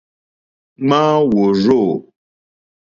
Ŋmáá wòrzô.